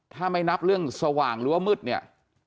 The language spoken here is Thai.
ถ้าไม่นับเรื่องสว่างหรือว่ามืดเนี่ย